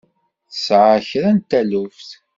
Tesɛa kra n taluft?